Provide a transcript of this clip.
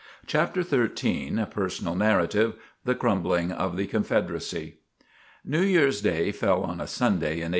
CHAPTER XIII PERSONAL NARRATIVE THE CRUMBLING OF THE CONFEDERACY New Year's day fell on a Sunday in 1865.